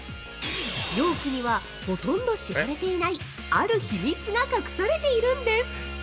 容器には、ほとんど知られていないある秘密が隠されているんです！